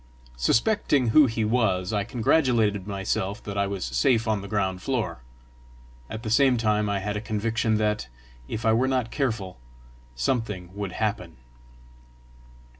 Suspecting who he was, I congratulated myself that I was safe on the ground floor. At the same time I had a conviction that, if I were not careful, something would happen.